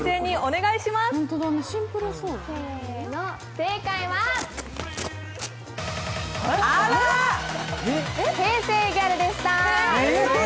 正解は平成ギャルでした。